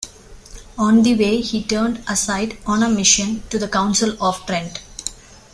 On the way he turned aside on a mission to the Council of Trent.